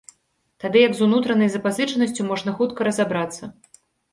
Тады як з унутранай запазычанасцю можна хутка разабрацца.